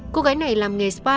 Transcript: cô gái này làm nghề spa